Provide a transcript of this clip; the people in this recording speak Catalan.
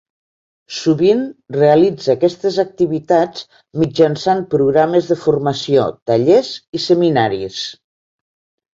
Sovint realitza aquestes activitats mitjançant programes de formació, tallers i seminaris.